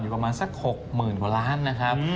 อยู่กันประมาณสักหกหมื่นกว่าร้านนะครับ